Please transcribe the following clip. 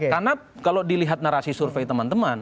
karena kalau dilihat narasi survei teman teman